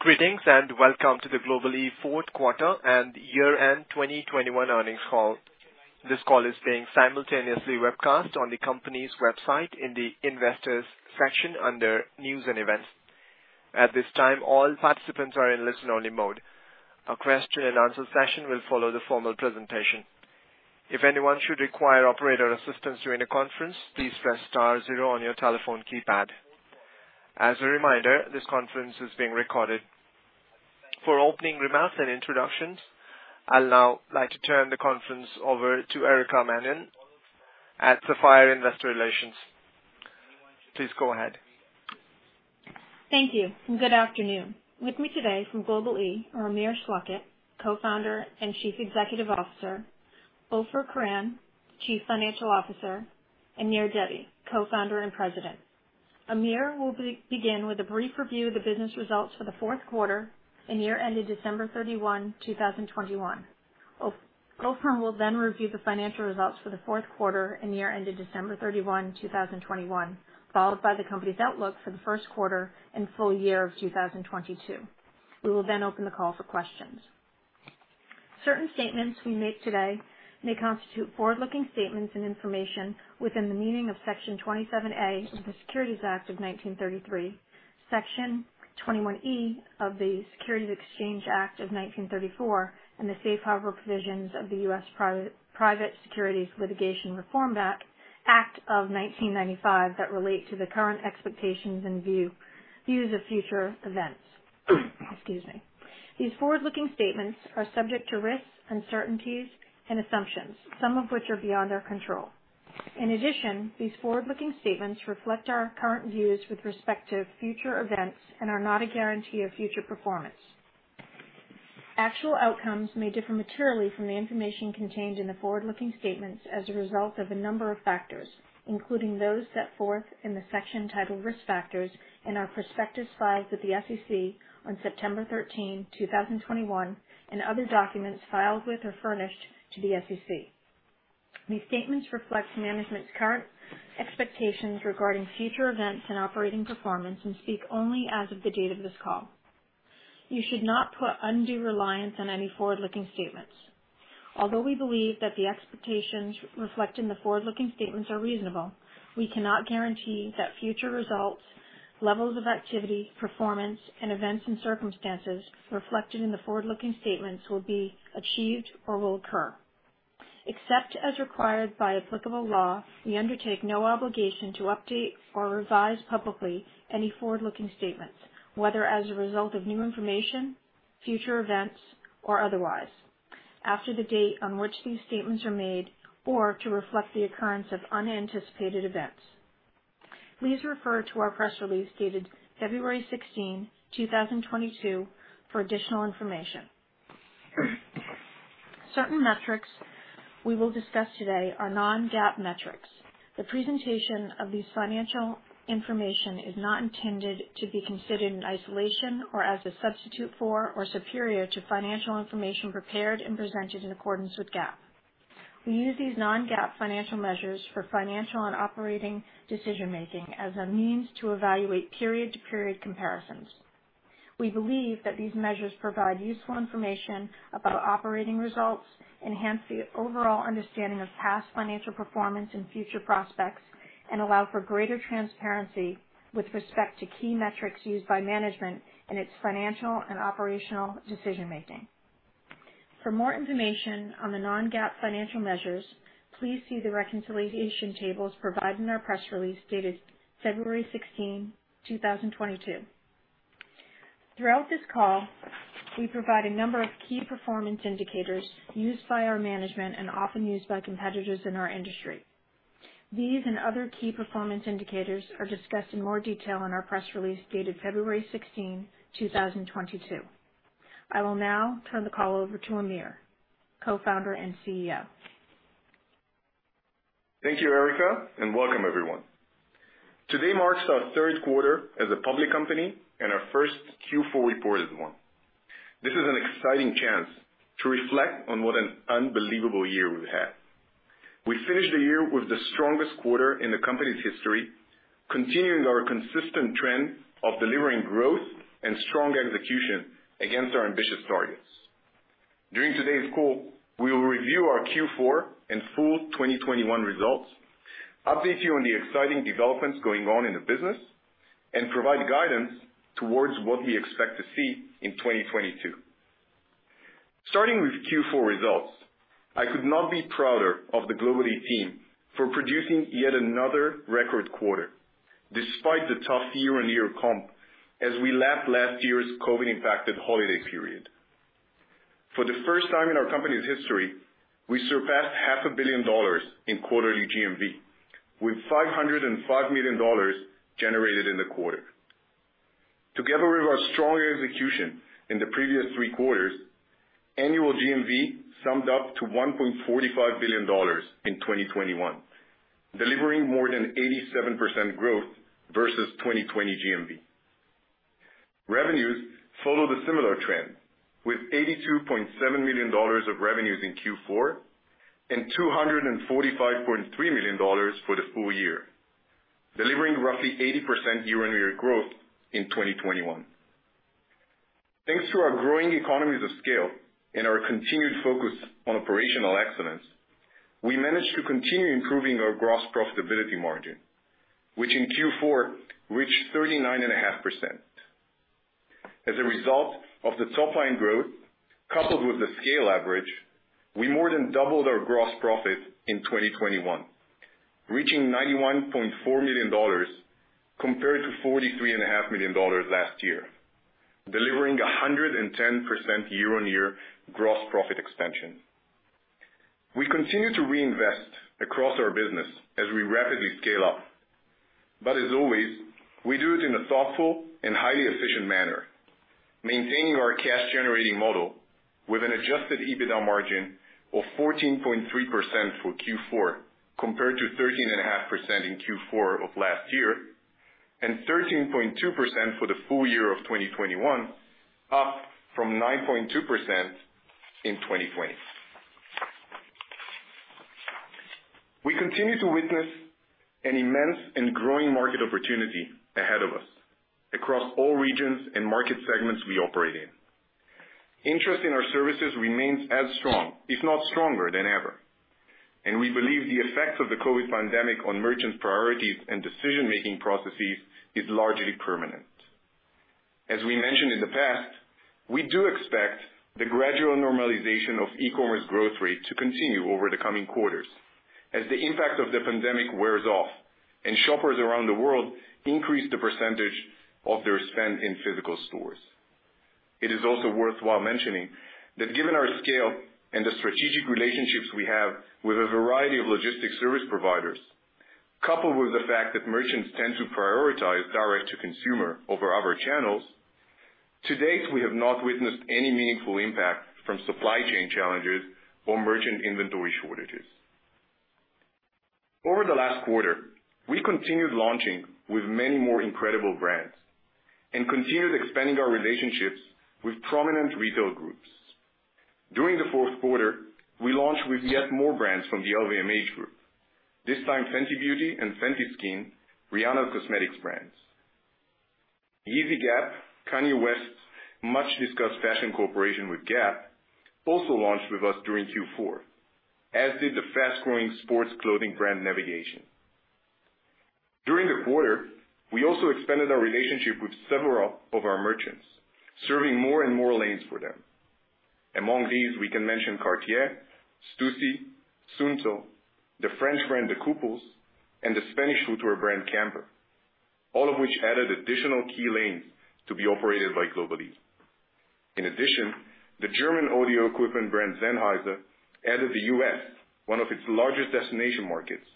Greetings, and welcome to the Global-e Fourth Quarter and Year-End 2021 Earnings Call. This call is being simultaneously webcast on the company's website in the Investors section under News and Events. At this time, all participants are in listen-only mode. A question and answer session will follow the formal presentation. If anyone should require operator assistance during the conference, please press star zero on your telephone keypad. As a reminder, this conference is being recorded. For opening remarks and introductions, I'd now like to turn the conference over to Erica Mannion at Sapphire Investor Relations. Please go ahead. Thank you, and good afternoon. With me today from Global-e are Amir Schlachet, Co-Founder and Chief Executive Officer, Ofer Koren, Chief Financial Officer, and Nir Debbi, Co-Founder and President. Amir will begin with a brief review of the business results for the fourth quarter and year ended December 31, 2021. Ofer will then review the financial results for the fourth quarter and year ended December 31, 2021, followed by the company's outlook for the first quarter and full year of 2022. We will then open the call for questions. Certain statements we make today may constitute forward-looking statements and information within the meaning of Section 27A of the Securities Act of 1933, Section 21E of the Securities Exchange Act of 1934, and the safe harbor provisions of the U.S. Private Securities Litigation Reform Act of 1995 that relate to the current expectations and views of future events. Excuse me. These forward-looking statements are subject to risks, uncertainties, and assumptions, some of which are beyond our control. In addition, these forward-looking statements reflect our current views with respect to future events and are not a guarantee of future performance. Actual outcomes may differ materially from the information contained in the forward-looking statements as a result of a number of factors, including those set forth in the section titled Risk Factors in our prospectus filed with the SEC on September 13, 2021, and other documents filed with or furnished to the SEC. These statements reflect management's current expectations regarding future events and operating performance and speak only as of the date of this call. You should not put undue reliance on any forward-looking statements. Although we believe that the expectations reflected in the forward-looking statements are reasonable, we cannot guarantee that future results, levels of activity, performance, and events and circumstances reflected in the forward-looking statements will be achieved or will occur. Except as required by applicable law, we undertake no obligation to update or revise publicly any forward-looking statements, whether as a result of new information, future events, or otherwise, after the date on which these statements are made, or to reflect the occurrence of unanticipated events. Please refer to our press release dated February 16, 2022 for additional information. Certain metrics we will discuss today are non-GAAP metrics. The presentation of this financial information is not intended to be considered in isolation or as a substitute for or superior to financial information prepared and presented in accordance with GAAP. We use these non-GAAP financial measures for financial and operating decision-making as a means to evaluate period-to-period comparisons. We believe that these measures provide useful information about operating results, enhance the overall understanding of past financial performance and future prospects, and allow for greater transparency with respect to key metrics used by management in its financial and operational decision-making. For more information on the non-GAAP financial measures, please see the reconciliation tables provided in our press release dated February 16, 2022. Throughout this call, we provide a number of key performance indicators used by our management and often used by competitors in our industry. These and other key performance indicators are discussed in more detail in our press release dated February 16, 2022. I will now turn the call over to Amir, Co-Founder and CEO. Thank you, Erica, and welcome everyone. Today marks our third quarter as a public company and our first Q4 reported one. This is an exciting chance to reflect on what an unbelievable year we've had. We finished the year with the strongest quarter in the company's history, continuing our consistent trend of delivering growth and strong execution against our ambitious targets. During today's call, we will review our Q4 and full 2021 results, update you on the exciting developments going on in the business, and provide guidance towards what we expect to see in 2022. Starting with Q4 results, I could not be prouder of the Global-e team for producing yet another record quarter, despite the tough year-on-year comp as we lapped last year's COVID-impacted holiday period. For the first time in our company's history, we surpassed half a billion dollars in quarterly GMV, with $505 million generated in the quarter. Together with our strong execution in the previous three quarters, annual GMV summed up to $1.45 billion in 2021, delivering more than 87% growth versus 2020 GMV. Revenues followed a similar trend, with $82.7 million of revenues in Q4 and $245.3 million for the full year. Delivering roughly 80% year-on-year growth in 2021. Thanks to our growing economies of scale and our continued focus on operational excellence, we managed to continue improving our gross profitability margin, which in Q4 reached 39.5%. As a result of the top line growth, coupled with the scale advantages, we more than doubled our gross profit in 2021, reaching $91.4 million compared to $43.5 million last year, delivering 110% year-on-year gross profit expansion. We continue to reinvest across our business as we rapidly scale up, but as always, we do it in a thoughtful and highly efficient manner, maintaining our cash generating model with an adjusted EBITDA margin of 14.3% for Q4 compared to 13.5% in Q4 of last year, and 13.2% for the full year of 2021, up from 9.2% in 2020. We continue to witness an immense and growing market opportunity ahead of us across all regions and market segments we operate in. Interest in our services remains as strong, if not stronger than ever, and we believe the effects of the COVID pandemic on merchant priorities and decision-making processes is largely permanent. As we mentioned in the past, we do expect the gradual normalization of e-commerce growth rate to continue over the coming quarters as the impact of the pandemic wears off and shoppers around the world increase the percentage of their spend in physical stores. It is also worthwhile mentioning that given our scale and the strategic relationships we have with a variety of logistics service providers, coupled with the fact that merchants tend to prioritize direct to consumer over other channels, to date, we have not witnessed any meaningful impact from supply chain challenges or merchant inventory shortages. Over the last quarter, we continued launching with many more incredible brands and continued expanding our relationships with prominent retail groups. During the fourth quarter, we launched with yet more brands from the LVMH group. This time Fenty Beauty and Fenty Skin, Rihanna cosmetics brands. Yeezy Gap, Kanye West's much-discussed fashion corporation with Gap, also launched with us during Q4, as did the fast-growing sports clothing brand NVGTN. During the quarter, we also expanded our relationship with several of our merchants, serving more and more lanes for them. Among these, we can mention Cartier, Stüssy, Suunto, the French brand, The Kooples, and the Spanish footwear brand, Camper, all of which added additional key lanes to be operated by Global-e. In addition, the German audio equipment brand, Sennheiser, entered the U.S., one of its largest destination markets,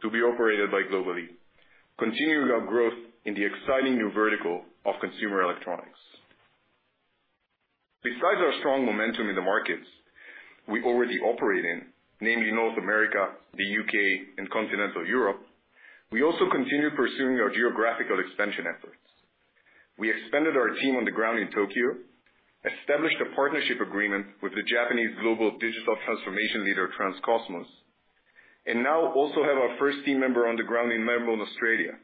to be operated by Global-e, continuing our growth in the exciting new vertical of consumer electronics. Besides our strong momentum in the markets we already operate in, namely North America, the U.K., and continental Europe, we also continue pursuing our geographical expansion efforts. We expanded our team on the ground in Tokyo, established a partnership agreement with the Japanese global digital transformation leader, transcosmos, and now also have our first team member on the ground in Melbourne, Australia,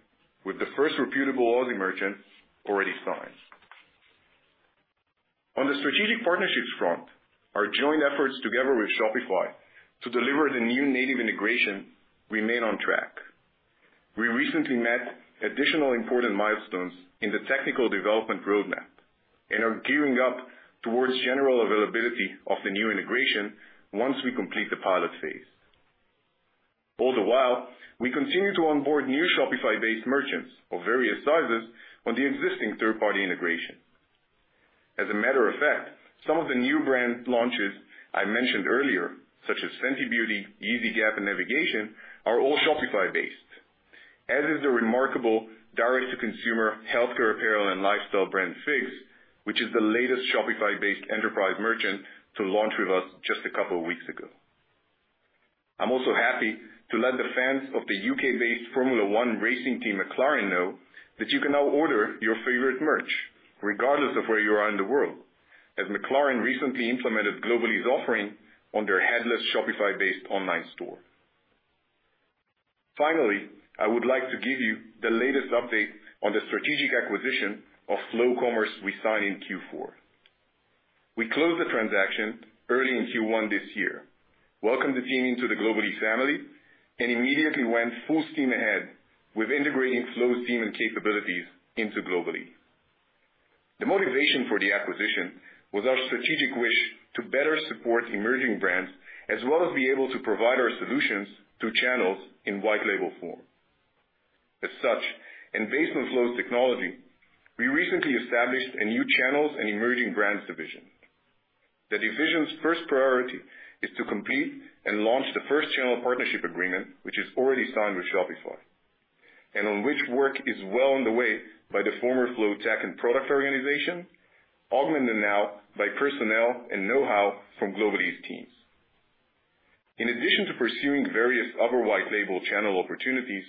with the first reputable Aussie merchant already signed. On the strategic partnerships front, our joint efforts together with Shopify to deliver the new native integration remain on track. We recently met additional important milestones in the technical development roadmap and are gearing up towards general availability of the new integration once we complete the pilot phase. All the while, we continue to onboard new Shopify-based merchants of various sizes on the existing third-party integration. As a matter of fact, some of the new brand launches I mentioned earlier, such as Fenty Beauty, Yeezy Gap, and NVGTN, are all Shopify-based, as is the remarkable direct-to-consumer healthcare apparel and lifestyle brand FIGS, which is the latest Shopify-based enterprise merchant to launch with us just a couple of weeks ago. I'm also happy to let the fans of the U.K.-based Formula One racing team, McLaren, know that you can now order your favorite merch regardless of where you are in the world, as McLaren recently implemented Global-e's offering on their headless Shopify-based online store. Finally, I would like to give you the latest update on the strategic acquisition of Flow Commerce we signed in Q4. We closed the transaction early in Q1 this year, welcomed the team into the Global-e family, and immediately went full steam ahead with integrating Flow's team and capabilities into Global-e. The motivation for the acquisition was our strategic wish to better support emerging brands, as well as be able to provide our solutions to channels in white label form. As such, integrating Flow's technology, we recently established a new channels and emerging brands division. The division's first priority is to complete and launch the first channel partnership agreement, which is already signed with Shopify and on which work is well on the way by the former Flow tech and product organization, augmented now by personnel and know-how from Global-e's teams. In addition to pursuing various other white label channel opportunities,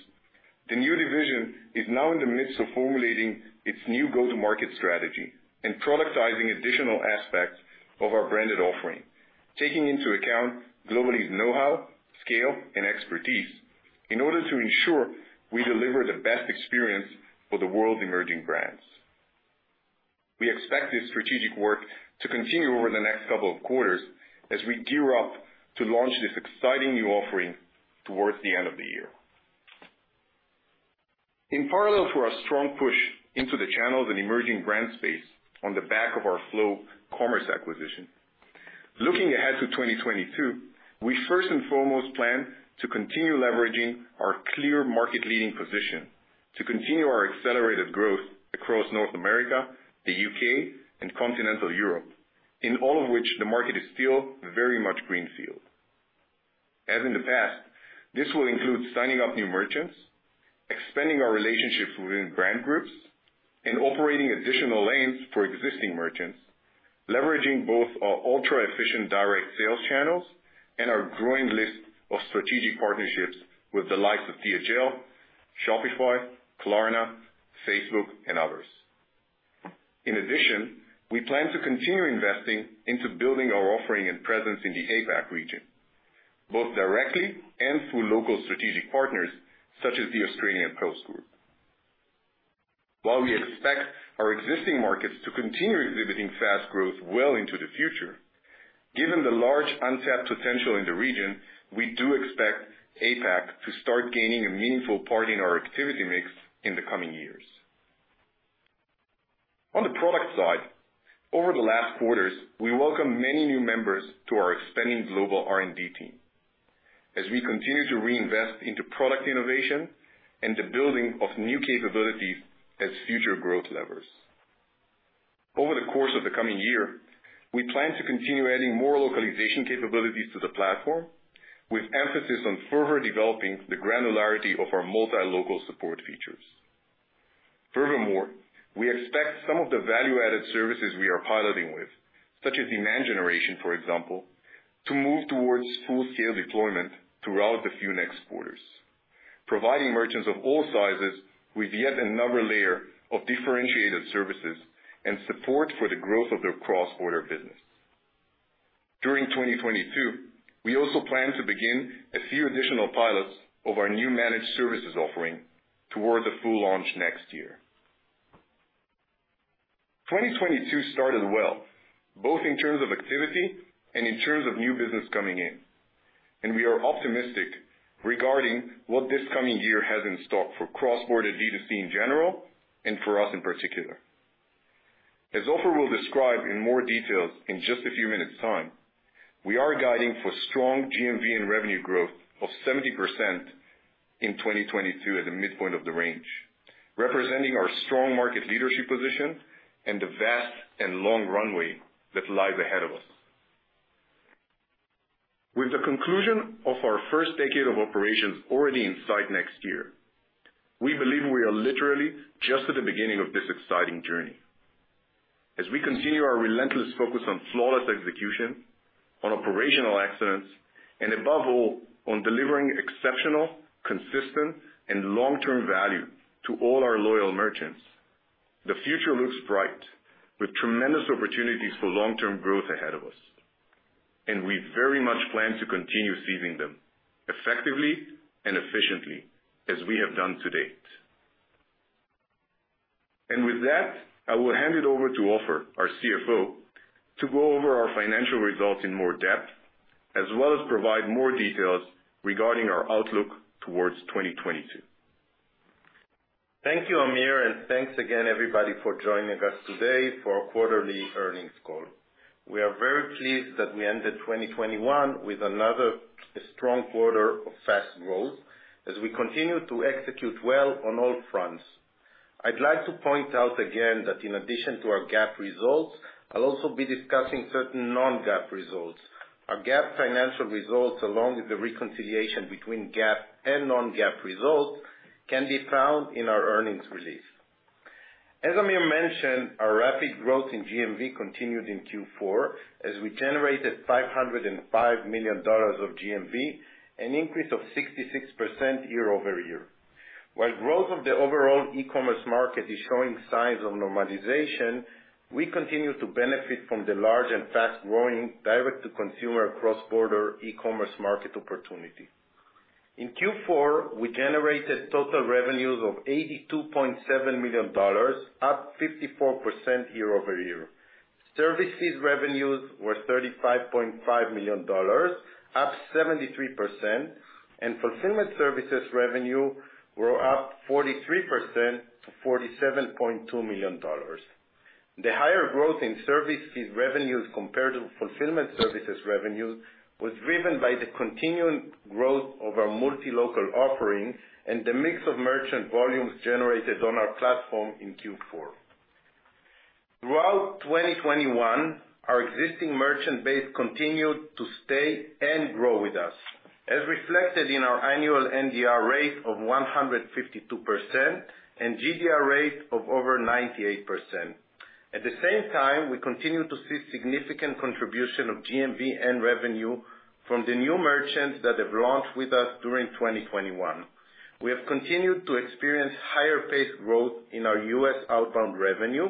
the new division is now in the midst of formulating its new go-to-market strategy and productizing additional aspects of our branded offering, taking into account Global-e's know-how, scale, and expertise in order to ensure we deliver the best experience for the world's emerging brands. We expect this strategic work to continue over the next couple of quarters as we gear up to launch this exciting new offering towards the end of the year. In parallel to our strong push into the channels and emerging brand space on the back of our Flow Commerce acquisition, looking ahead to 2022, we first and foremost plan to continue leveraging our clear market leading position to continue our accelerated growth across North America, the U.K., and Continental Europe, in all of which the market is still very much greenfield. As in the past, this will include signing up new merchants, expanding our relationships within brand groups, and operating additional lanes for existing merchants, leveraging both our ultra-efficient direct sales channels and our growing list of strategic partnerships with the likes of DHL, Shopify, Klarna, Facebook and others. In addition, we plan to continue investing into building our offering and presence in the APAC region, both directly and through local strategic partners such as Australia Post. While we expect our existing markets to continue exhibiting fast growth well into the future, given the large untapped potential in the region, we do expect APAC to start gaining a meaningful part in our activity mix in the coming years. On the product side, over the last quarters, we welcome many new members to our expanding global R&D team as we continue to reinvest into product innovation and the building of new capabilities as future growth levers. Over the course of the coming year, we plan to continue adding more localization capabilities to the platform with emphasis on further developing the granularity of our multi-local support features. Furthermore, we expect some of the value-added services we are piloting with, such as demand generation, for example, to move towards full-scale deployment throughout the next few quarters, providing merchants of all sizes with yet another layer of differentiated services and support for the growth of their cross-border business. During 2022, we also plan to begin a few additional pilots of our new managed services offering toward the full launch next year. 2022 started well, both in terms of activity and in terms of new business coming in, and we are optimistic regarding what this coming year has in store for cross-border D2C in general and for us in particular. As Ofer will describe in more details in just a few minutes time, we are guiding for strong GMV and revenue growth of 70% in 2022 at the midpoint of the range, representing our strong market leadership position and the vast and long runway that lies ahead of us. With the conclusion of our first decade of operations already in sight next year, we believe we are literally just at the beginning of this exciting journey. As we continue our relentless focus on flawless execution, on operational excellence, and above all, on delivering exceptional, consistent, and long-term value to all our loyal merchants, the future looks bright with tremendous opportunities for long-term growth ahead of us, and we very much plan to continue seizing them effectively and efficiently as we have done to date. With that, I will hand it over to Ofer, our CFO, to go over our financial results in more depth, as well as provide more details regarding our outlook towards 2022. Thank you, Amir, and thanks again everybody for joining us today for our quarterly earnings call. We are very pleased that we ended 2021 with another strong quarter of fast growth as we continue to execute well on all fronts. I'd like to point out again that in addition to our GAAP results, I'll also be discussing certain non-GAAP results. Our GAAP financial results, along with the reconciliation between GAAP and non-GAAP results can be found in our earnings release. As Amir mentioned, our rapid growth in GMV continued in Q4 as we generated $505 million of GMV, an increase of 66% year-over-year. While growth of the overall e-commerce market is showing signs of normalization, we continue to benefit from the large and fast-growing direct-to-consumer cross-border e-commerce market opportunity. In Q4, we generated total revenues of $82.7 million, up 54% year-over-year. Service fees revenues were $35.5 million, up 73%, and fulfillment services revenue were up 43% to $47.2 million. The higher growth in service fees revenues compared to fulfillment services revenues was driven by the continuing growth of our multi-local offerings and the mix of merchant volumes generated on our platform in Q4. Throughout 2021, our existing merchant base continued to stay and grow with us, as reflected in our annual NDR rate of 152% and GDR rate of over 98%. At the same time, we continue to see significant contribution of GMV and revenue from the new merchants that have launched with us during 2021. We have continued to experience higher paced growth in our U.S. outbound revenue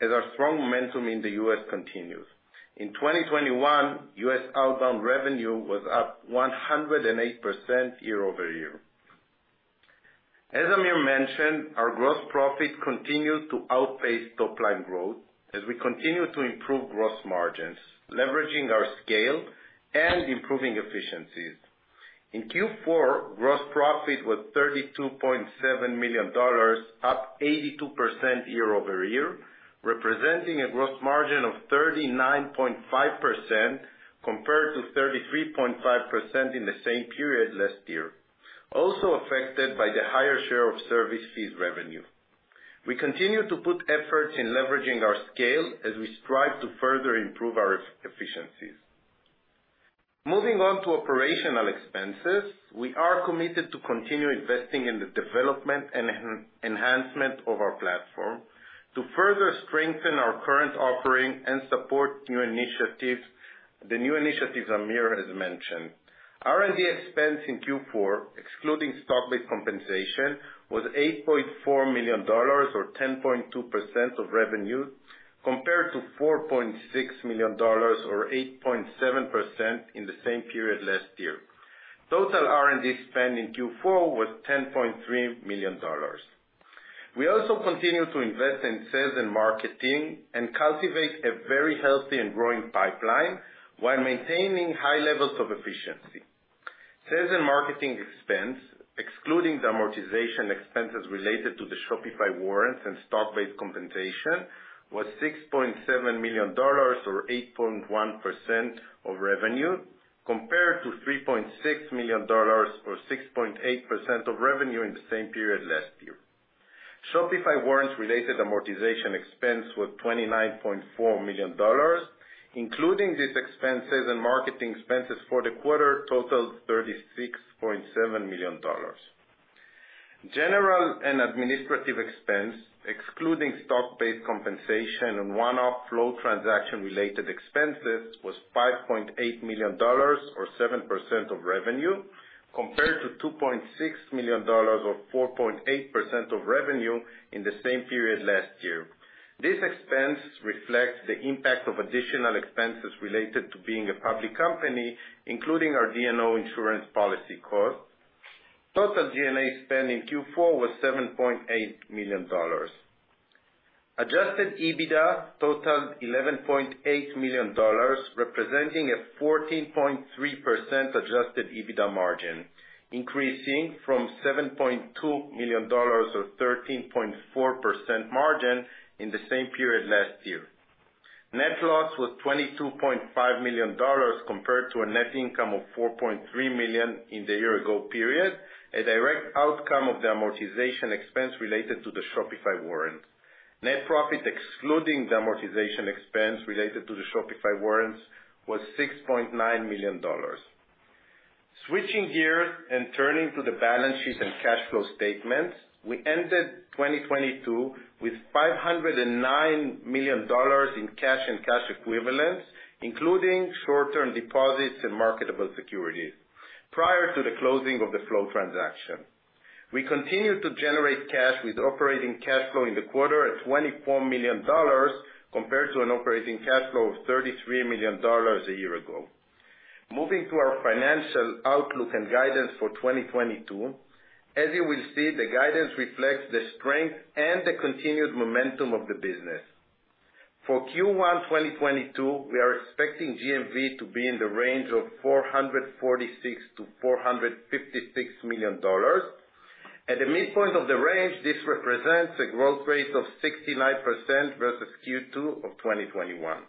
as our strong momentum in the U.S. continues. In 2021, U.S. outbound revenue was up 108% year-over-year. As Amir mentioned, our gross profit continued to outpace top line growth as we continue to improve gross margins, leveraging our scale and improving efficiencies. In Q4, gross profit was $32.7 million, up 82% year-over-year, representing a gross margin of 39.5% compared to 33.5% in the same period last year, also affected by the higher share of service fees revenue. We continue to put efforts in leveraging our scale as we strive to further improve our efficiencies. Moving on to operational expenses. We are committed to continue investing in the development and enhancement of our platform to further strengthen our current offering and support new initiatives, the new initiatives Amir has mentioned. R&D expense in Q4, excluding stock-based compensation, was $8.4 million, or 10.2% of revenue, compared to $4.6 million or 8.7% in the same period last year. Total R&D spend in Q4 was $10.3 million. We also continue to invest in sales and marketing and cultivate a very healthy and growing pipeline while maintaining high levels of efficiency. Sales and marketing expense, excluding the amortization expenses related to the Shopify warrants and stock-based compensation, was $6.7 million or 8.1% of revenue, compared to $3.6 million or 6.8% of revenue in the same period last year. Shopify warrants-related amortization expense was $29.4 million, including these expenses, and marketing expenses for the quarter totaled $36.7 million. General and administrative expense, excluding stock-based compensation and one-off Flow transaction-related expenses, was $5.8 million or 7% of revenue, compared to $2.6 million or 4.8% of revenue in the same period last year. This expense reflects the impact of additional expenses related to being a public company, including our D&O insurance policy costs. Total G&A spend in Q4 was $7.8 million. Adjusted EBITDA totaled $11.8 million, representing a 14.3% adjusted EBITDA margin, increasing from $7.2 million or 13.4% margin in the same period last year. Net loss was $22.5 million compared to a net income of $4.3 million in the year ago period, a direct outcome of the amortization expense related to the Shopify warrant. Net profit excluding the amortization expense related to the Shopify warrants was $6.9 million. Switching gears and turning to the balance sheet and cash flow statements. We ended 2022 with $509 million in cash and cash equivalents, including short-term deposits and marketable securities prior to the closing of the Flow transaction. We continued to generate cash with operating cash flow in the quarter at $24 million compared to an operating cash flow of $33 million a year ago. Moving to our financial outlook and guidance for 2022. As you will see, the guidance reflects the strength and the continued momentum of the business. For Q1 2022, we are expecting GMV to be in the range of $446 million-$456 million. At the midpoint of the range, this represents a growth rate of 69% versus Q2 of 2021.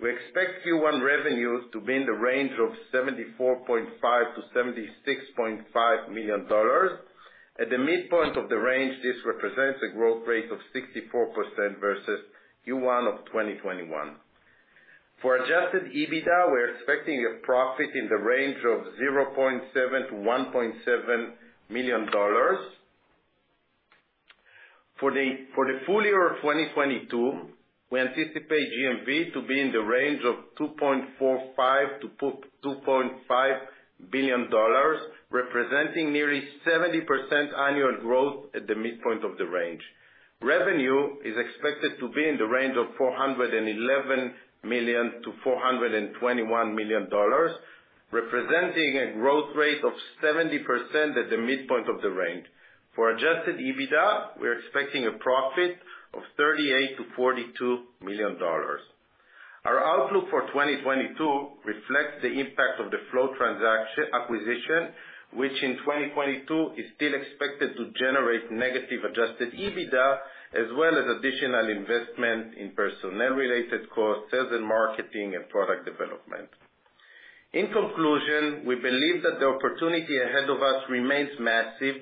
We expect Q1 revenues to be in the range of $74.5 million-$76.5 million. At the midpoint of the range, this represents a growth rate of 64% versus Q1 of 2021. For adjusted EBITDA, we're expecting a profit in the range of $0.7 million-$1.7 million. For the full year of 2022, we anticipate GMV to be in the range of $2.45 billion-$2.5 billion, representing nearly 70% annual growth at the midpoint of the range. Revenue is expected to be in the range of $411 million-$421 million, representing a growth rate of 70% at the midpoint of the range. For adjusted EBITDA, we're expecting a profit of $38 million-$42 million. Our outlook for 2022 reflects the impact of the Flow Commerce acquisition, which in 2022 is still expected to generate negative adjusted EBITDA as well as additional investment in personnel-related costs, sales and marketing and product development. In conclusion, we believe that the opportunity ahead of us remains massive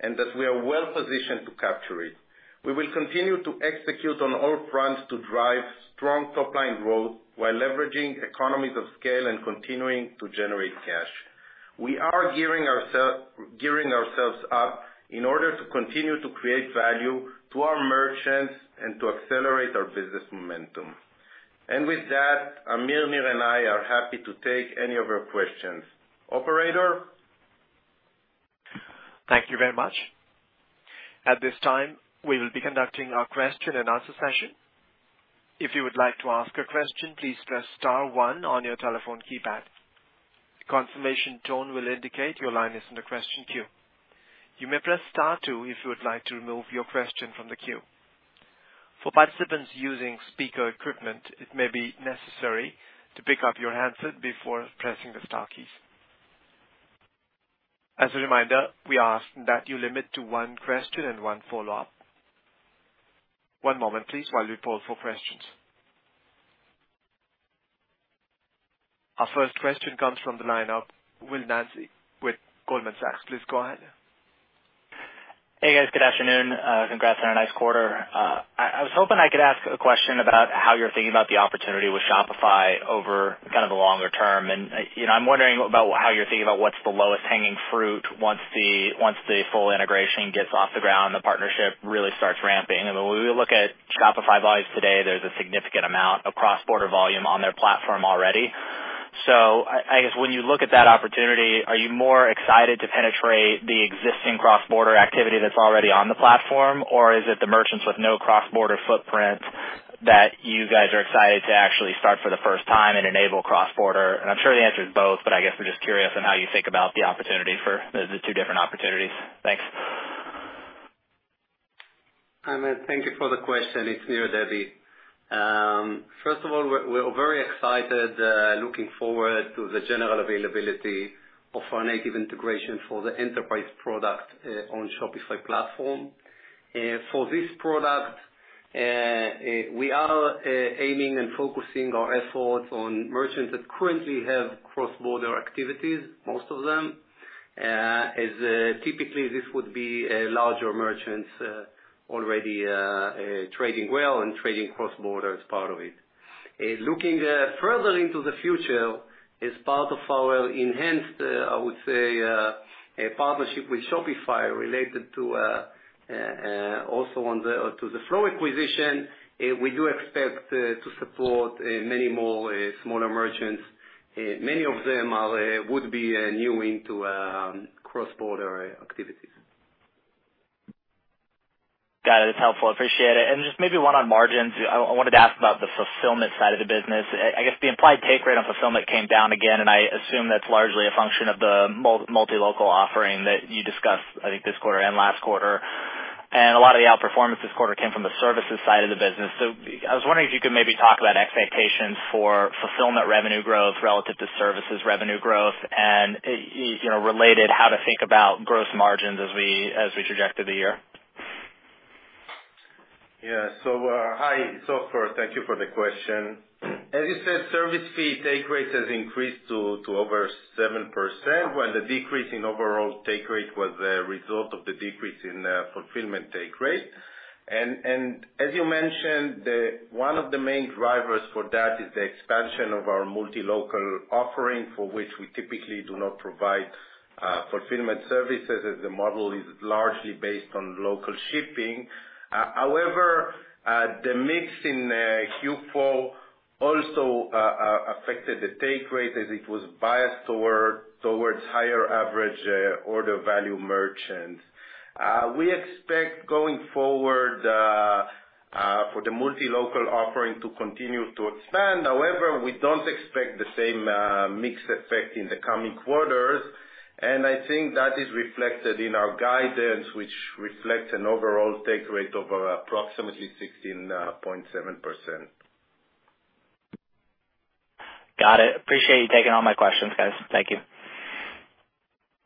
and that we are well-positioned to capture it. We will continue to execute on all fronts to drive strong top line growth while leveraging economies of scale and continuing to generate cash. We are gearing ourselves up in order to continue to create value to our merchants and to accelerate our business momentum. With that, Amir, Nir and I are happy to take any of your questions. Operator? Thank you very much. At this time, we will be conducting our question and answer session. If you would like to ask a question, please press star one on your telephone keypad. Confirmation tone will indicate your line is in the question queue. You may press star two if you would like to remove your question from the queue. For participants using speaker equipment, it may be necessary to pick up your handset before pressing the star keys. As a reminder, we ask that you limit to one question and one follow-up. One moment please while we poll for questions. Our first question comes from the line of Will Nance with Goldman Sachs. Please go ahead. Hey, guys. Good afternoon. Congrats on a nice quarter. I was hoping I could ask a question about how you're thinking about the opportunity with Shopify over kind of the longer term. You know, I'm wondering about how you're thinking about what's the lowest hanging fruit once the full integration gets off the ground, the partnership really starts ramping. When we look at Shopify volumes today, there's a significant amount of cross-border volume on their platform already. I guess when you look at that opportunity, are you more excited to penetrate the existing cross-border activity that's already on the platform? Or is it the merchants with no cross-border footprint that you guys are excited to actually start for the first time and enable cross-border? I'm sure the answer is both, but I guess we're just curious on how you think about the opportunity for the two different opportunities? Thanks. Thank you for the question. It's Nir Debbi. First of all, we're very excited, looking forward to the general availability of our native integration for the enterprise product on Shopify platform. For this product, we are aiming and focusing our efforts on merchants that currently have cross-border activities, most of them. As typically this would be a larger merchants already trading well and trading cross-border as part of it. Looking further into the future as part of our enhanced, I would say, a partnership with Shopify related to the Flow acquisition, we do expect to support many more smaller merchants. Many of them would be new to cross-border activities. Got it. It's helpful. Appreciate it. Just maybe one on margins. I wanted to ask about the fulfillment side of the business. I guess the implied take rate on fulfillment came down again, and I assume that's largely a function of the multi-local offering that you discussed, I think this quarter and last quarter. A lot of the outperformance this quarter came from the services side of the business. I was wondering if you could maybe talk about expectations for fulfillment revenue growth relative to services revenue growth. You know, related, how to think about gross margins as we projected the year. First, thank you for the question. As you said, service fee take rate has increased to over 7%, while the decrease in overall take rate was a result of the decrease in fulfillment take rate. As you mentioned, one of the main drivers for that is the expansion of our multi-local offering, for which we typically do not provide fulfillment services, as the model is largely based on local shipping. However, the mix in Q4 also affected the take rate as it was biased toward higher average order value merchants. We expect going forward for the multi-local offering to continue to expand. However, we don't expect the same mix effect in the coming quarters. I think that is reflected in our guidance, which reflects an overall take rate of approximately 16.7%. Got it. Appreciate you taking all my questions, guys. Thank you.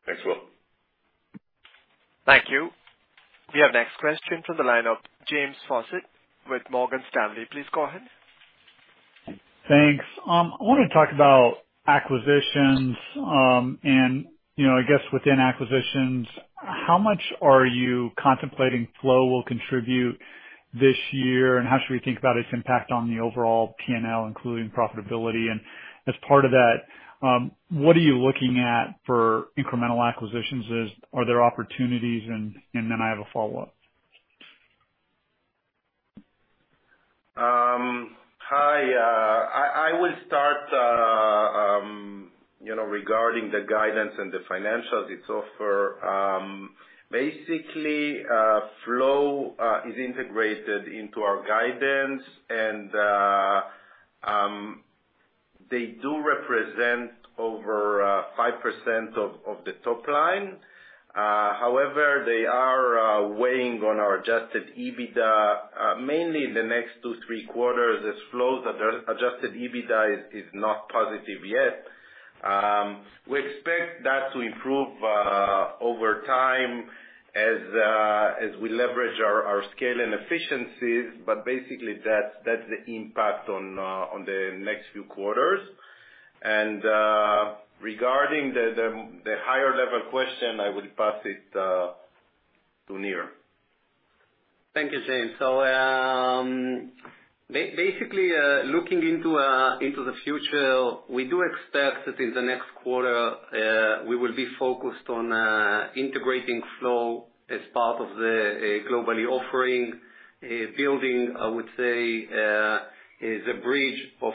Thanks, Will. Thank you. We have next question from the line of James Faucette with Morgan Stanley. Please go ahead. Thanks. I wanna talk about acquisitions. You know, I guess within acquisitions, how much are you contemplating Flow will contribute this year, and how should we think about its impact on the overall P&L, including profitability? As part of that, what are you looking at for incremental acquisitions? Are there opportunities? I have a follow-up. Hi. I will start, you know, regarding the guidance and the financials itself for, basically, Flow is integrated into our guidance. They do represent over 5% of the top line. However, they are weighing on our adjusted EBITDA, mainly in the next two, three quarters as Flow's adjusted EBITDA is not positive yet. We expect that to improve over time as we leverage our scale and efficiencies. But basically that's the impact on the next few quarters. Regarding the higher level question, I will pass it to Nir. Thank you, James. Basically, looking into the future, we do expect that in the next quarter, we will be focused on integrating Flow as part of the Global-e offering. Building, I would say, a bridge of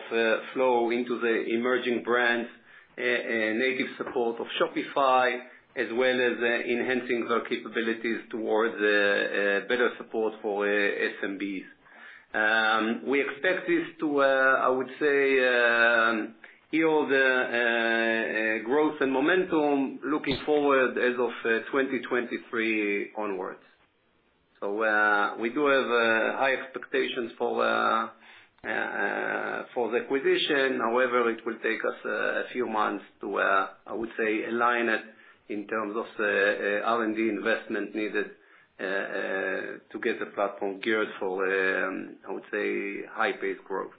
Flow into the emerging brands native support of Shopify, as well as enhancing our capabilities towards better support for SMBs. We expect this to, I would say, growth and momentum looking forward as of 2023 onwards. We do have high expectations for the acquisition. However, it will take us a few months to, I would say, align it in terms of R&D investment needed to get the platform geared for, I would say, high-paced growth.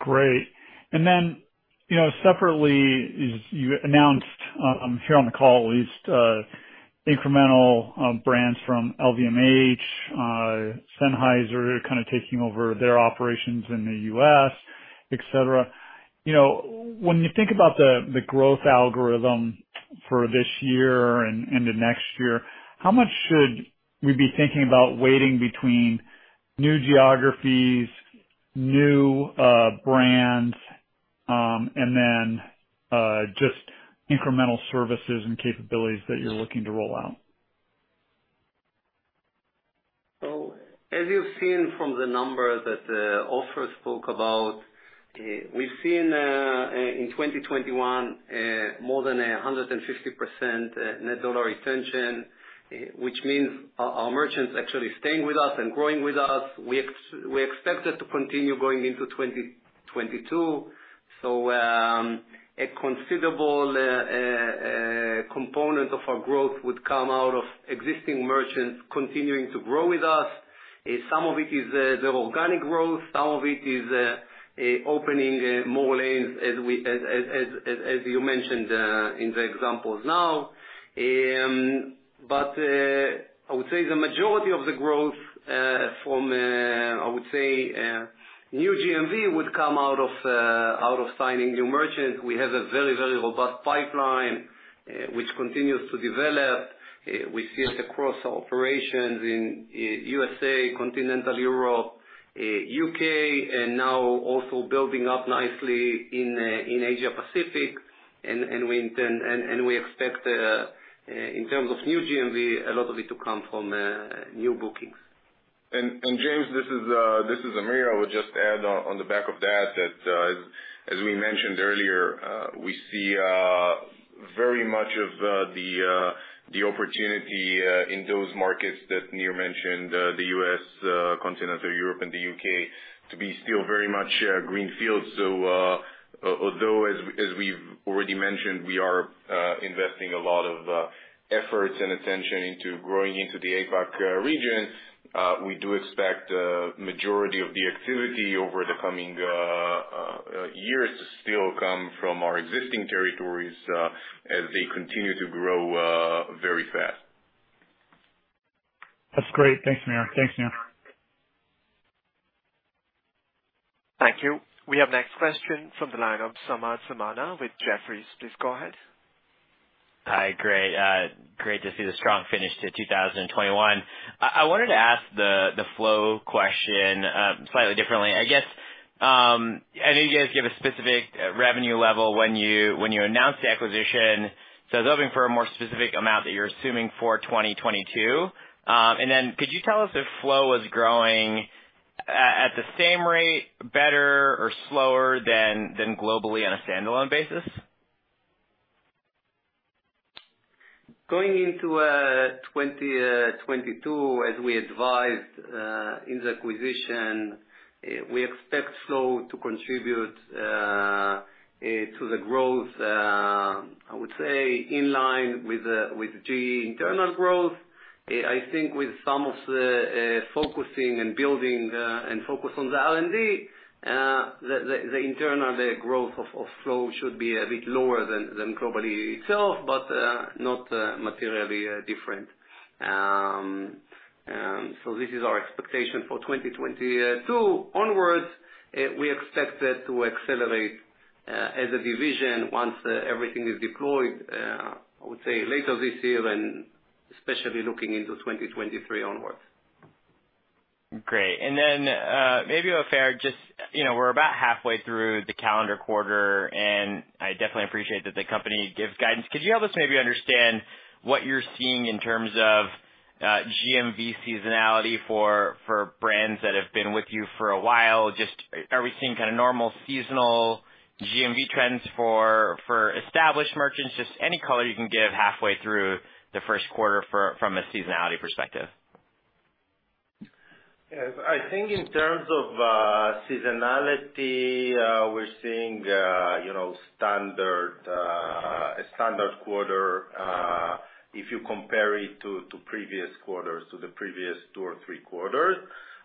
Great. You know, separately you announced here on the call at least incremental brands from LVMH, Sennheiser kind of taking over their operations in the U.S., et cetera. You know, when you think about the growth algorithm for this year and the next year, how much should we be thinking about weighting between new geographies, new brands, and then just incremental services and capabilities that you're looking to roll out? As you've seen from the numbers that Ofer spoke about, we've seen in 2021 more than 150% net dollar retention, which means our merchants actually staying with us and growing with us. We expect it to continue going into 2022. A considerable component of our growth would come out of existing merchants continuing to grow with us. Some of it is the organic growth, some of it is opening more lanes as you mentioned in the examples now. But I would say the majority of the growth from I would say new GMV would come out of signing new merchants. We have a very robust pipeline, which continues to develop. We see it across our operations in USA, continental Europe, U.K. and now also building up nicely in Asia Pacific. We expect, in terms of new GMV, a lot of it to come from new bookings. James, this is Amir. I would just add on the back of that that as we mentioned earlier we see very much of the opportunity in those markets that Nir mentioned the U.S. continental Europe and the U.K. to be still very much green fields. Although as we've already mentioned we are investing a lot of efforts and attention into growing into the APAC region we do expect a majority of the activity over the coming years to still come from our existing territories as they continue to grow very fast. That's great. Thanks, Amir. Thanks, Nir. Thank you. We have the next question from the line of Samad Samana with Jefferies. Please go ahead. Hi. Great. Great to see the strong finish to 2021. I wanted to ask the Flow question slightly differently. I guess I know you guys gave a specific revenue level when you announced the acquisition. I was hoping for a more specific amount that you're assuming for 2022. And then could you tell us if Flow was growing at the same rate, better or slower than Global-e on a standalone basis? Going into 2022, as we advised in the acquisition, we expect Flow to contribute to the growth. I would say in line with Global-e internal growth. I think with some of the focusing and building and focus on the R&D, the internal growth of Flow should be a bit lower than Global-e itself, but not materially different. This is our expectation for 2022 onwards. We expect it to accelerate as a division once everything is deployed. I would say later this year and especially looking into 2023 onwards. Great. Maybe a fair question, you know, we're about halfway through the calendar quarter, and I definitely appreciate that the company gives guidance. Could you help us maybe understand what you're seeing in terms of GMV seasonality for brands that have been with you for a while? Just are we seeing kind of normal seasonal GMV trends for established merchants? Just any color you can give halfway through the first quarter from a seasonality perspective. Yes. I think in terms of seasonality, we're seeing, you know, a standard quarter if you compare it to previous quarters, the previous two or three quarters.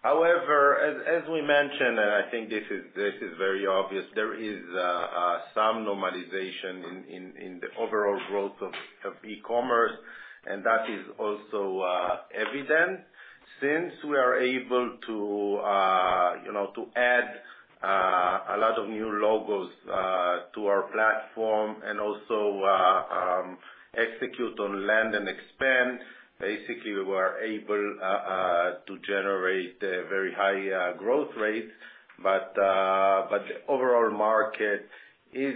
However, as we mentioned, and I think this is very obvious, there is some normalization in the overall growth of e-commerce, and that is also evident. Since we are able to, you know, add a lot of new logos to our platform and also execute on land and expand, basically, we were able to generate a very high growth rate. The overall market is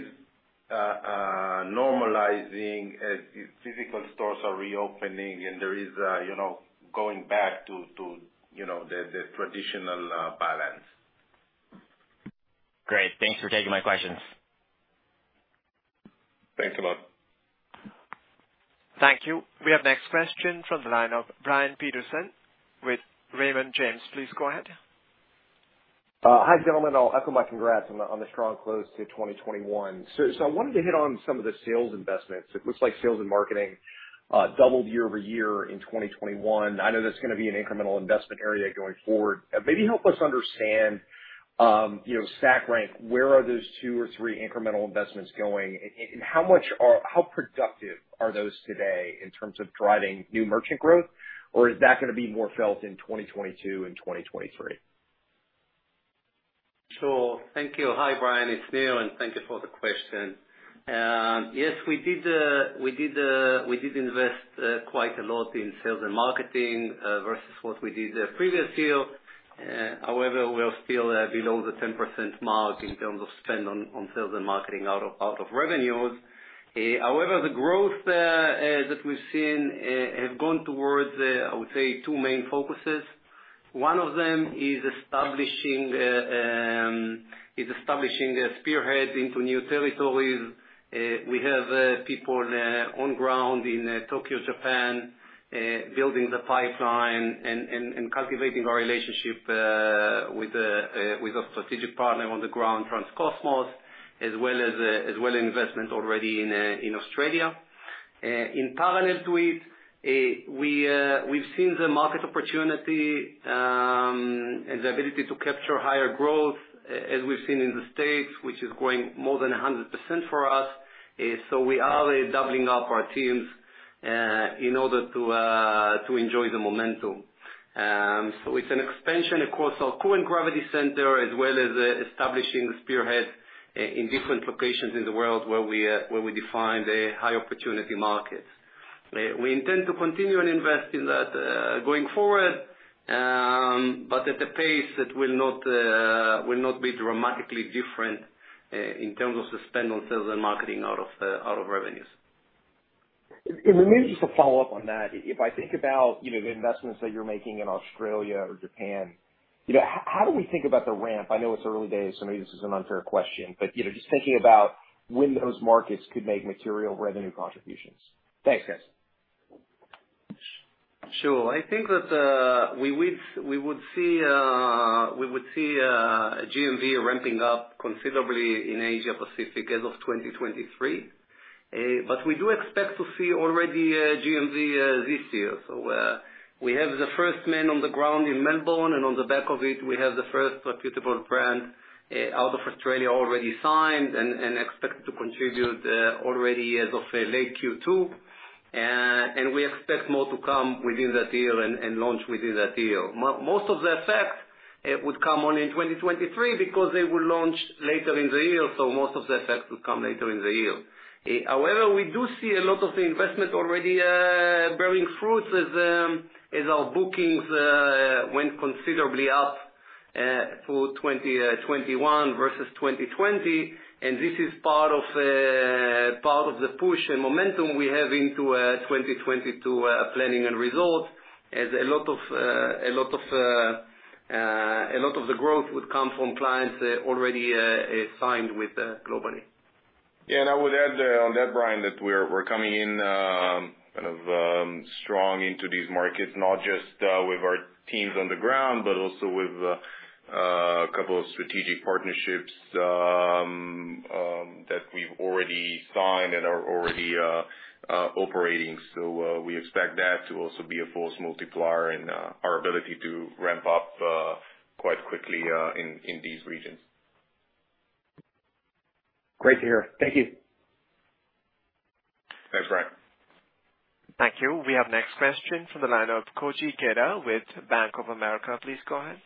normalizing as physical stores are reopening and there is, you know, going back to the traditional balance. Great. Thanks for taking my questions. Thanks a lot. Thank you. We have next question from the line of Brian Peterson with Raymond James. Please go ahead. Hi, gentlemen. I'll echo my congrats on the strong close to 2021. I wanted to hit on some of the sales investments. It looks like sales and marketing doubled year-over-year in 2021. I know that's gonna be an incremental investment area going forward. Maybe help us understand, you know, stack rank, where are those two or three incremental investments going? And how productive are those today in terms of driving new merchant growth, or is that gonna be more felt in 2022 and 2023? Sure. Thank you. Hi, Brian, it's Nir, and thank you for the question. Yes, we did invest quite a lot in sales and marketing versus what we did the previous year. However, we're still below the 10% mark in terms of spend on sales and marketing out of revenues. However, the growth that we've seen have gone towards, I would say two main focuses. One of them is establishing a spearhead into new territories. We have people on ground in Tokyo, Japan, building the pipeline and cultivating our relationship with a strategic partner on the ground, transcosmos, as well as investments already in Australia. In parallel to it, we've seen the market opportunity, and the ability to capture higher growth, as we've seen in the States, which is growing more than 100% for us. We are doubling up our teams, in order to enjoy the momentum. It's an expansion across our current gravity center, as well as establishing the spearhead in different locations in the world where we define the high opportunity markets. We intend to continue and invest in that, going forward, but at a pace that will not be dramatically different, in terms of the spend on sales and marketing out of revenues. Maybe just to follow up on that. If I think about, you know, the investments that you're making in Australia or Japan, you know, how do we think about the ramp? I know it's early days, so maybe this is an unfair question. You know, just thinking about when those markets could make material revenue contributions. Thanks, guys. Sure. I think that we would see GMV ramping up considerably in Asia Pacific as of 2023. We do expect to see already GMV this year. We have the first men on the ground in Melbourne, and on the back of it, we have the first reputable brand out of Australia already signed and expect to contribute already as of late Q2. We expect more to come within that year and launch within that year. Most of the effect would come only in 2023 because they will launch later in the year, so most of the effects will come later in the year. However, we do see a lot of the investment already bearing fruits as our bookings went considerably up for 2021 versus 2020, and this is part of the push and momentum we have into 2022 planning and results, as a lot of the growth would come from clients already signed with Global-e. Yeah, I would add on that, Brian, that we're coming in kind of strong into these markets, not just with our teams on the ground, but also with a couple of strategic partnerships that we've already signed and are already operating. We expect that to also be a force multiplier in our ability to ramp up quite quickly in these regions. Great to hear. Thank you. Thanks, Brian. Thank you. We have next question from the line of Koji Ikeda with Bank of America. Please go ahead.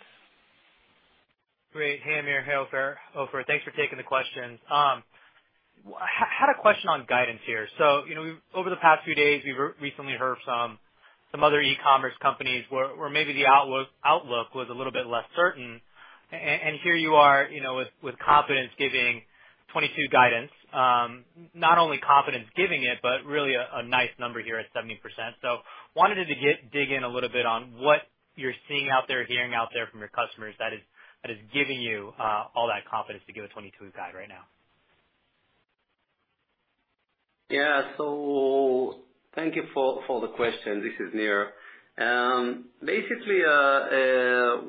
Great. Hey, Amir. Hey, Ofer. Ofer, thanks for taking the questions. Had a question on guidance here. You know, over the past few days, we've recently heard some other e-commerce companies where maybe the outlook was a little bit less certain. Here you are, you know, with confidence giving 2022 guidance. Not only confidence giving it, but really a nice number here at 70%. Wanted to dig in a little bit on what you're seeing out there, hearing out there from your customers that is giving you all that confidence to give a 2022 guide right now. Thank you for the question. This is Nir. Basically,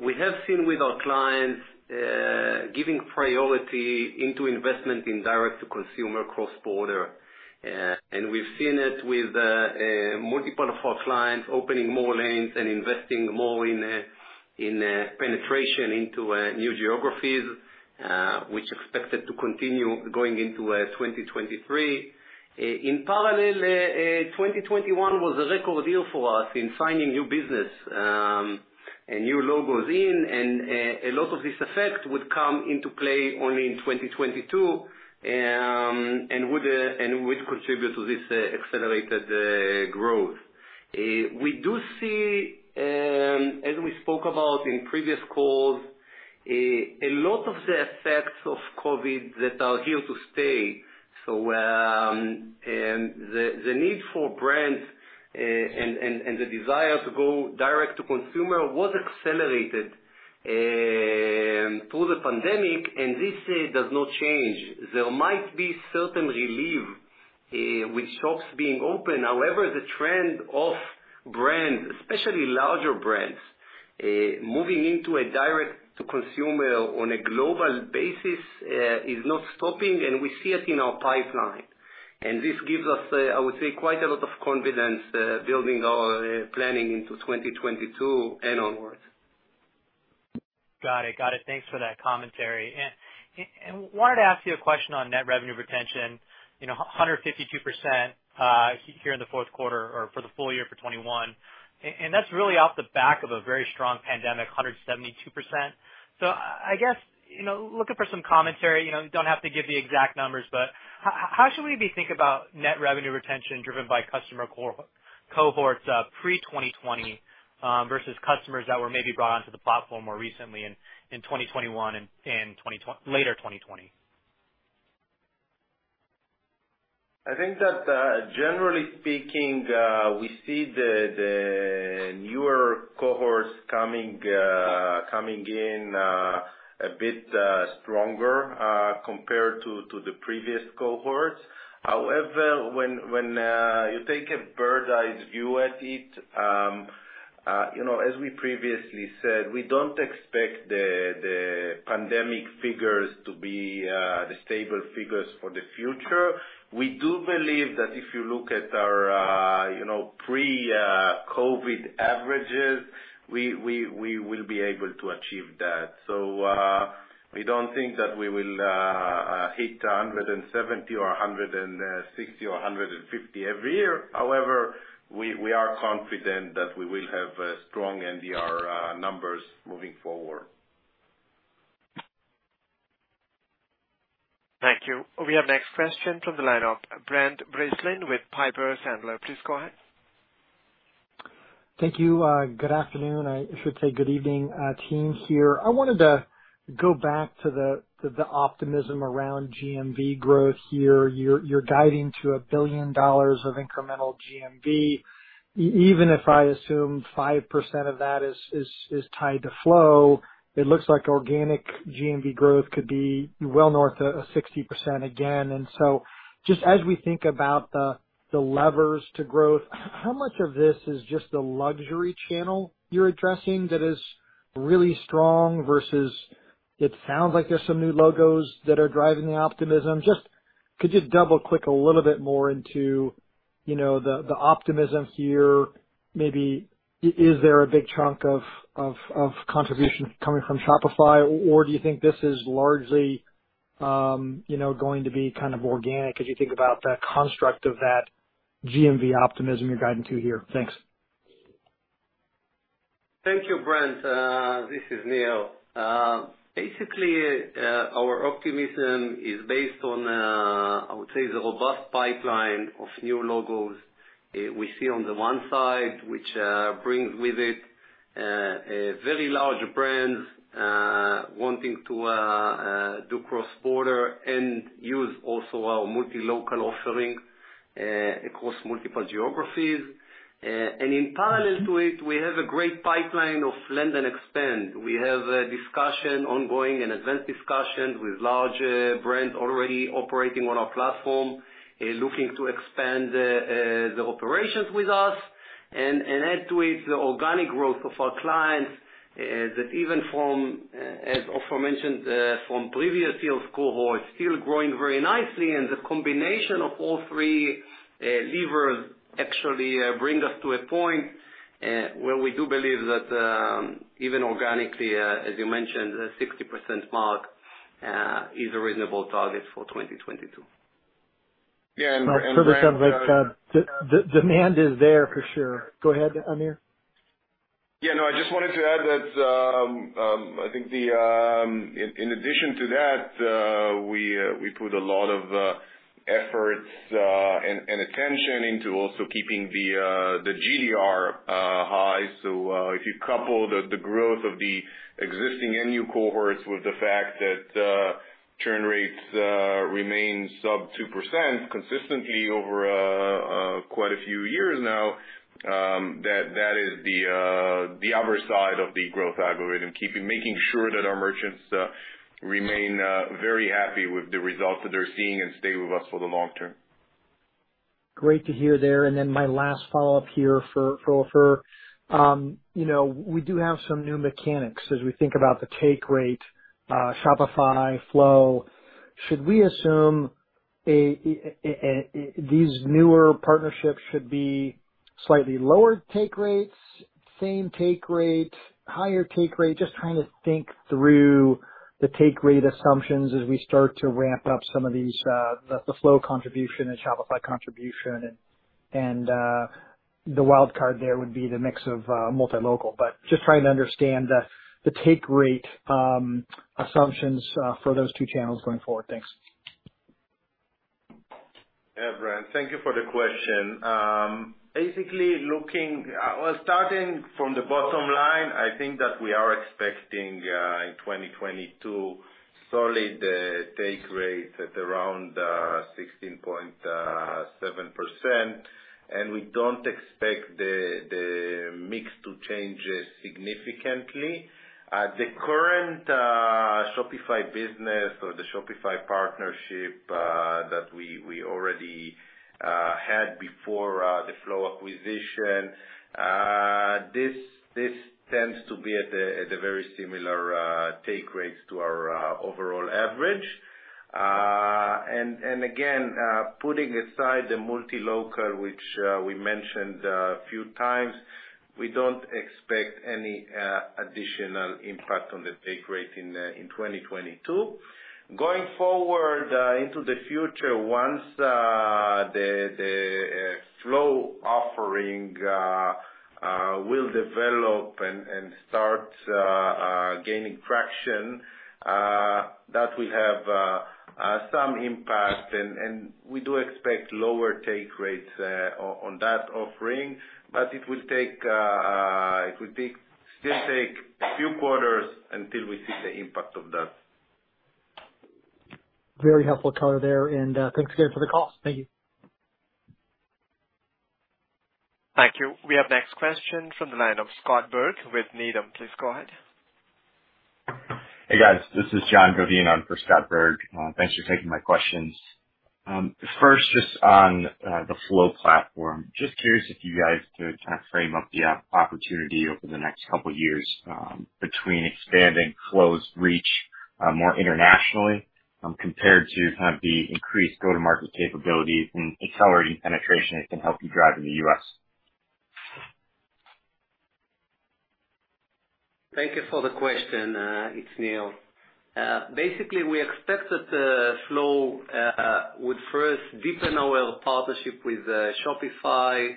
we have seen with our clients giving priority to investment in direct to consumer cross-border. We've seen it with multiple of our clients opening more lanes and investing more in penetration into new geographies, which expected to continue going into 2023. In parallel, 2021 was a record year for us in signing new business and new logos, and a lot of this effect would come into play only in 2022 and would contribute to this accelerated growth. We do see, as we spoke about in previous calls, a lot of the effects of COVID that are here to stay. The need for brands and the desire to go direct to consumer was accelerated through the pandemic, and this does not change. There might be certain relief with shops being open. However, the trend of brands, especially larger brands, moving into a direct to consumer on a global basis is not stopping, and we see it in our pipeline. This gives us, I would say, quite a lot of confidence building our planning into 2022 and onwards. Got it. Thanks for that commentary. Wanted to ask you a question on net revenue retention. 152% here in the fourth quarter or for the full year for 2021, and that's really off the back of a very strong pandemic, 172%. I guess looking for some commentary. You don't have to give the exact numbers, but how should we be thinking about net revenue retention driven by customer cohorts pre-2020 versus customers that were maybe brought onto the platform more recently in 2021 and later 2020? I think that generally speaking we see the newer cohorts coming in a bit stronger compared to the previous cohorts. However, when you take a bird's-eye view at it, you know, as we previously said, we don't expect the pandemic figures to be the stable figures for the future. We do believe that if you look at our you know pre-COVID averages, we will be able to achieve that. We don't think that we will hit 170 or 160 or 150 every year. However, we are confident that we will have a strong NDR numbers moving forward. Thank you. We have next question from the lineup, Brent Bracelin with Piper Sandler. Please go ahead. Thank you, good afternoon. I should say good evening, team here. I wanted to go back to the optimism around GMV growth here. You're guiding to $1 billion of incremental GMV. Even if I assume 5% of that is tied to flow, it looks like organic GMV growth could be well north of 60% again. Just as we think about the levers to growth, how much of this is just the luxury channel you're addressing that is really strong versus it sounds like there's some new logos that are driving the optimism? Could you double-click a little bit more into, you know, the optimism here? Maybe is there a big chunk of contributions coming from Shopify? Do you think this is largely, you know, going to be kind of organic as you think about the construct of that GMV optimism you're guiding to here? Thanks. Thank you, Brent. This is Nir. Basically, our optimism is based on, I would say, the robust pipeline of new logos we see on the one side, which brings with it very large brands wanting to do cross-border and use also our multi-local offering across multiple geographies. In parallel to it, we have a great pipeline of land and expand. We have a discussion ongoing, an advanced discussion with large brands already operating on our platform looking to expand the operations with us. Add to it the organic growth of our clients that even from, as Ofer mentioned, from previous sales cohorts, still growing very nicely. The combination of all three levers actually bring us to a point where we do believe that even organically as you mentioned the 60% mark is a reasonable target for 2022. Yeah, Brent. This sounds like, demand is there for sure. Go ahead, Amir. Yeah, no, I just wanted to add that. In addition to that, we put a lot of efforts and attention into also keeping the GDR high. If you couple the growth of the existing NU cohorts with the fact that churn rates remain sub 2% consistently over quite a few years now, that is the other side of the growth algorithm, keeping making sure that our merchants remain very happy with the results that they're seeing and stay with us for the long term. Great to hear there. Then my last follow-up here for Ofer. You know, we do have some new mechanics as we think about the take rate, Shopify Flow. Should we assume these newer partnerships should be slightly lower take rates, same take rate, higher take rate? Just trying to think through the take rate assumptions as we start to ramp up some of these, the Flow contribution, the Shopify contribution and the wild card there would be the mix of multi-local. Just trying to understand the take rate assumptions for those two channels going forward. Thanks. Yeah, Brent, thank you for the question. Well, starting from the bottom line, I think that we are expecting in 2022 solid take rate at around 16.7%, and we don't expect the mix to change significantly. The current Shopify business or the Shopify partnership that we already had before the Flow acquisition, this tends to be at a very similar take rates to our overall average. Again, putting aside the multi-local, which we mentioned a few times, we don't expect any additional impact on the take rate in 2022. Going forward into the future, once the Flow offering will develop and start gaining traction, that will have some impact. We do expect lower take rates on that offering, but it will still take a few quarters until we see the impact of that. Very helpful color there and, thanks again for the call. Thank you. Thank you. We have next question from the line of Scott Berg with Needham. Please go ahead. Hey, guys. This is John Godin on for Scott Berg. Thanks for taking my questions. First just on the Flow platform. Just curious if you guys could kind of frame up the opportunity over the next couple years, between expanding Flow's reach more internationally, compared to kind of the increased go-to-market capability from accelerating penetration it can help you drive in the U.S. Thank you for the question. It's Nir. Basically, we expect that Flow would first deepen our partnership with Shopify.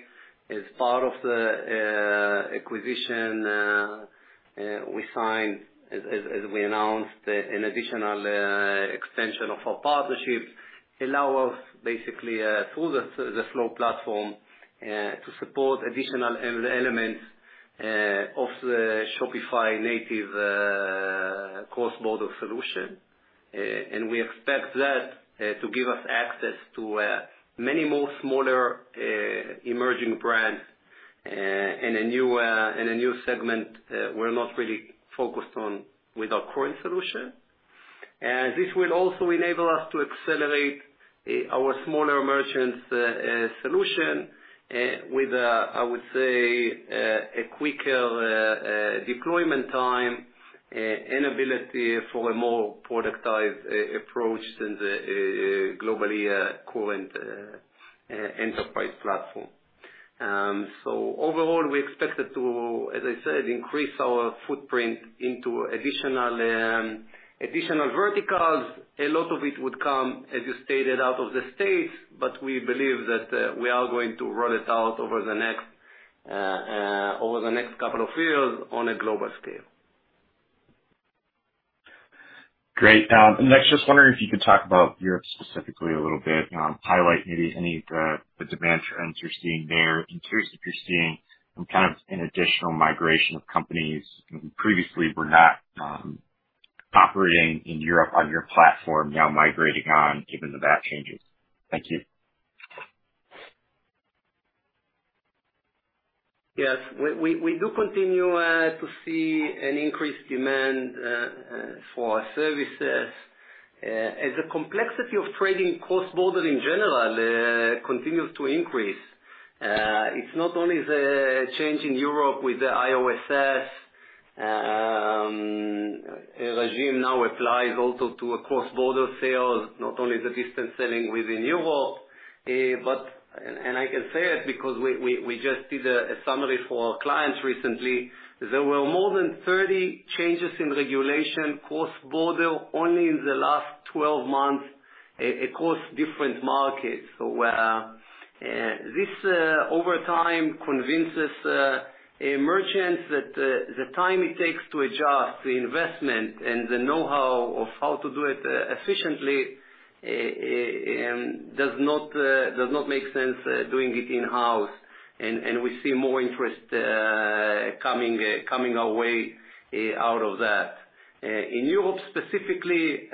As part of the acquisition, we signed, as we announced, an additional extension of our partnership allow us, basically, through the Flow platform, to support additional elements of the Shopify native cross-border solution. We expect that to give us access to many more smaller emerging brands in a new segment we're not really focused on with our current solution. This will also enable us to accelerate our smaller merchants solution with a, I would say, a quicker deployment time and ability for a more productized approach than the global current enterprise platform. Overall, we expect it to, as I said, increase our footprint into additional verticals. A lot of it would come, as you stated, out of the U.S., but we believe that we are going to roll it out over the next couple of years on a global scale. Great. Next, just wondering if you could talk about Europe specifically a little bit. Highlight maybe any of the demand trends you're seeing there. I'm curious if you're seeing some kind of an additional migration of companies who previously were not operating in Europe on your platform now migrating on given the VAT changes. Thank you. Yes. We do continue to see an increased demand for our services. As the complexity of trading cross-border in general continues to increase, it's not only the change in Europe with the IOSS regime now applies also to cross-border sales, not only the distance selling within Europe, but I can say it because we just did a summary for our clients recently. There were more than 30 changes in cross-border regulation only in the last 12 months across different markets. Over time, this convinces merchants that the time it takes to adjust the investment and the know-how of how to do it efficiently does not make sense doing it in-house. We see more interest coming our way out of that. In Europe specifically,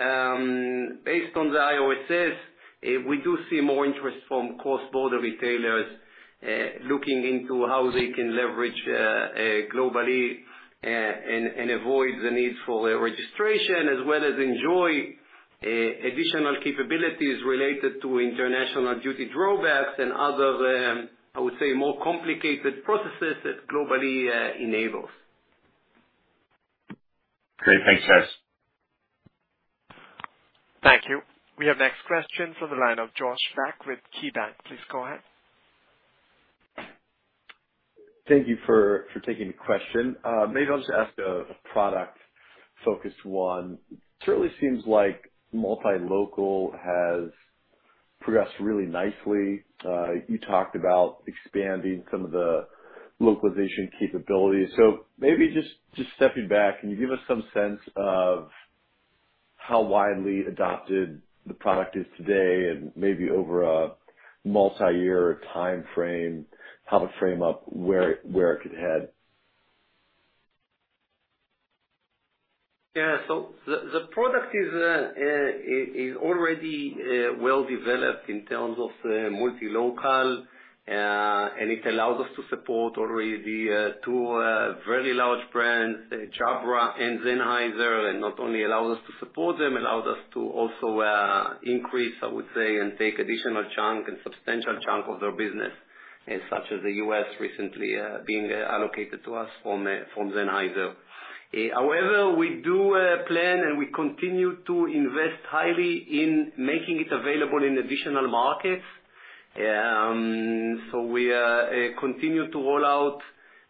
based on the IOSS, we do see more interest from cross-border retailers looking into how they can leverage Global-e and avoid the need for a registration, as well as enjoy additional capabilities related to international duty drawbacks and other, I would say, more complicated processes that Global-e enables. Great. Thanks, guys. Thank you. We have next question from the line of Josh Beck with KeyBanc. Please go ahead. Thank you for taking the question. Maybe I'll just ask a product-focused one. Certainly seems like multi-local has progressed really nicely. You talked about expanding some of the localization capabilities. So maybe just stepping back, can you give us some sense of how widely adopted the product is today and maybe over a multi-year timeframe, how to frame up where it could head? The product is already well developed in terms of multi-local, and it allows us to support already two very large brands, Jabra and Sennheiser, and not only allows us to support them, allows us to also increase, I would say, and take additional chunk and substantial chunk of their business, such as the U.S. recently being allocated to us from Sennheiser. However, we do plan and we continue to invest highly in making it available in additional markets. We continue to roll out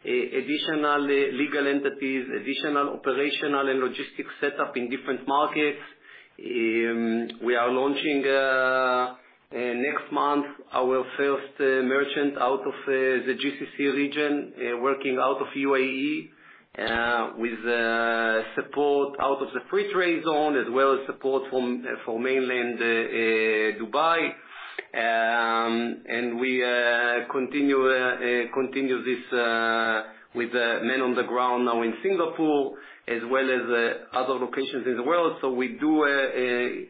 additional legal entities, additional operational and logistics setup in different markets. We are launching next month our first merchant out of the GCC region, working out of UAE, with support out of the free trade zone, as well as support from mainland Dubai. We continue this with the men on the ground now in Singapore as well as other locations in the world. We do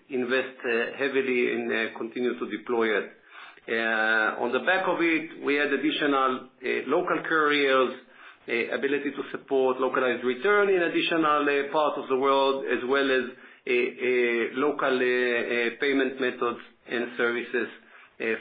invest heavily and continue to deploy it. On the back of it, we add additional local couriers ability to support localized return in additional parts of the world, as well as a local payment methods and services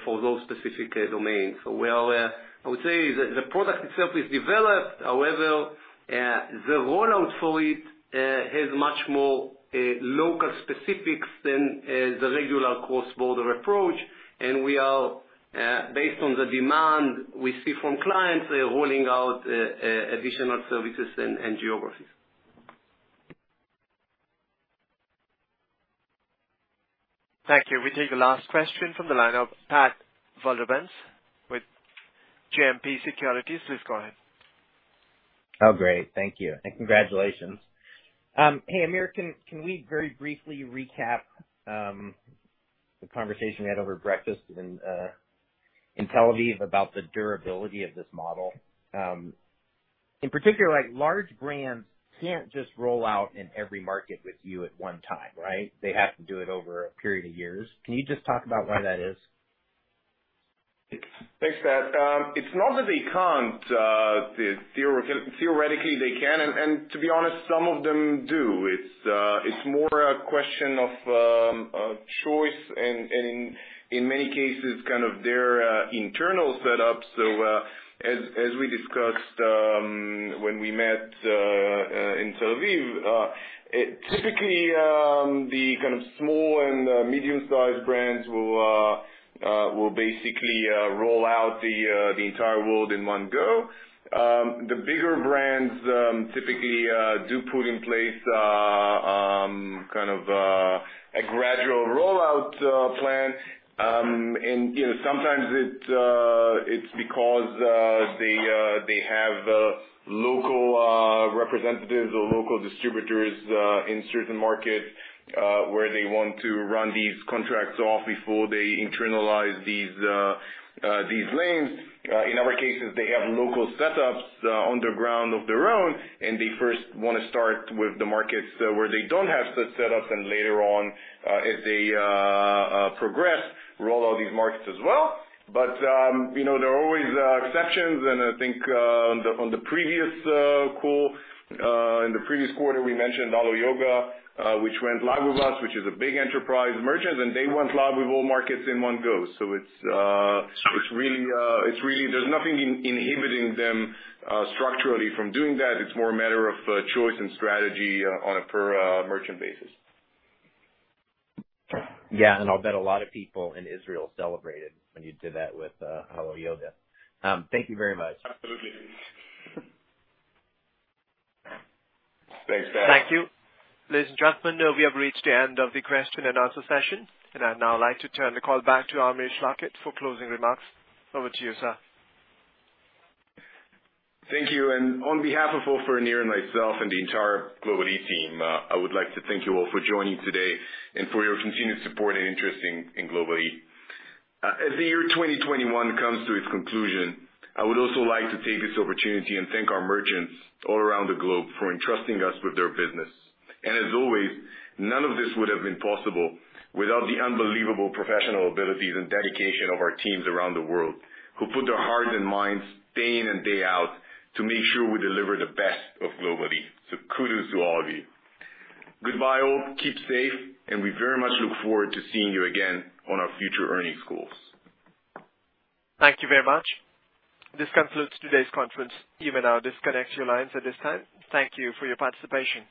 for those specific domains. We are, I would say, the product itself is developed. However, the rollout for it has much more local specifics than the regular cross-border approach. We are based on the demand we see from clients rolling out additional services and geographies. Thank you. We take the last question from the line of Pat Walravens with JMP Securities. Please go ahead. Oh, great. Thank you, and congratulations. Hey, Amir, can we very briefly recap the conversation we had over breakfast in Tel Aviv about the durability of this model? In particular, like large brands can't just roll out in every market with you at one time, right? They have to do it over a period of years. Can you just talk about why that is? Thanks, Pat. It's not that they can't. Theoretically, they can, and to be honest, some of them do. It's more a question of choice and in many cases, kind of their internal setup. As we discussed when we met in Tel Aviv, it typically the kind of small and medium-sized brands will basically roll out the entire world in one go. The bigger brands typically do put in place kind of a gradual rollout plan. You know, sometimes it's because they have local representatives or local distributors in certain markets where they want to run these contracts off before they internalize these lanes. In other cases, they have local setups on the ground of their own, and they first want to start with the markets where they don't have such setups, and later on, as they progress, roll out these markets as well. You know, there are always exceptions, and I think, on the previous call, in the previous quarter, we mentioned Alo Yoga, which went live with us, which is a big enterprise merchant, and they went live with all markets in one go. It's really. There's nothing inhibiting them structurally from doing that. It's more a matter of choice and strategy on a per merchant basis. Yeah. I'll bet a lot of people in Israel celebrated when you did that with Alo Yoga. Thank you very much. Absolutely. Thanks, Pat. Thank you. Ladies and gentlemen, we have reached the end of the question and answer session, and I'd now like to turn the call back to Amir Schlachet for closing remarks. Over to you, sir. Thank you. On behalf of Ofer, Nir, and myself and the entire Global-e team, I would like to thank you all for joining today and for your continued support and interest in Global-e. As the year 2021 comes to its conclusion, I would also like to take this opportunity and thank our merchants all around the globe for entrusting us with their business. As always, none of this would have been possible without the unbelievable professional abilities and dedication of our teams around the world who put their hearts and minds day in and day out to make sure we deliver the best of Global-e. Kudos to all of you. Goodbye all. Keep safe, and we very much look forward to seeing you again on our future earnings calls. Thank you very much. This concludes today's conference. You may now disconnect your lines at this time. Thank you for your participation.